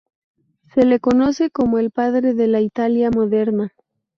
Se le reconoce como el padre de la Italia moderna.